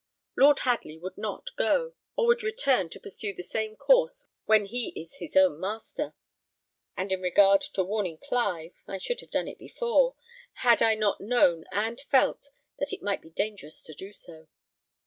Lord Hadley would not go, or would return to pursue the same course when he is his own master; and in regard to warning Clive, I should have done it before, had I not known and felt that it might be dangerous to do so.